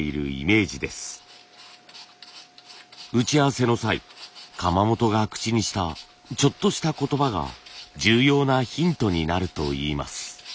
打ち合わせの際窯元が口にしたちょっとした言葉が重要なヒントになるといいます。